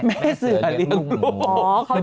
แม่เสือเลี้ยงลูกหมู